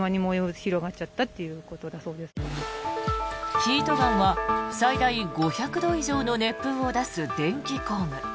ヒートガンは最大５００度以上の熱風を出す電気工具。